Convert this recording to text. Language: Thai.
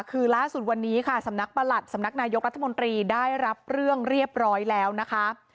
คือล่าสุดวันนี้ค่ะสำนักประหลัดสำนักนายกรัฐมนตรีได้รับเรื่องเรียบร้อยแล้วนะคะ